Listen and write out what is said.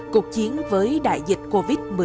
cuộc chiến với đại dịch covid một mươi chín